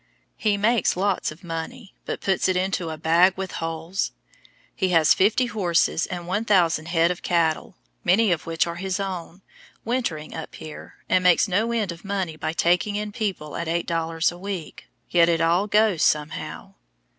He makes lots of money, but puts it into "a bag with holes." He has fifty horses and 1,000 head of cattle, many of which are his own, wintering up here, and makes no end of money by taking in people at eight dollars a week, yet it all goes somehow.